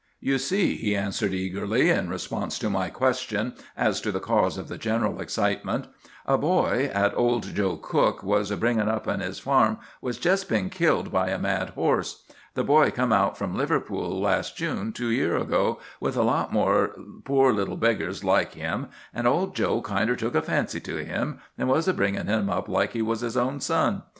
"'You see,' he answered eagerly, in response to my question as to the cause of the general excitement, 'a boy 'at old Joe Cook was bringin' up on his farm has jest been killed by a mad horse. The boy come out from Liverpool las' June two year ago, with a lot more poor little beggars like him; an' old Joe kinder took a fancy to him, an' was a bringin' him up like he was his own son.